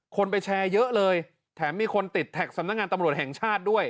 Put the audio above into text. คนไปแชร์เยอะเลยแถมมีคนติดแท็กสำนักงานตำรวจแห่งชาติด้วย